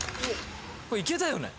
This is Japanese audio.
これいけたよね？